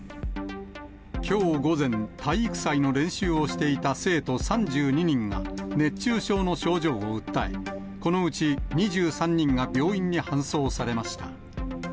きょう午前、体育祭の練習をしていた生徒３２人が熱中症の症状を訴え、このうち２３人が病院に搬送されました。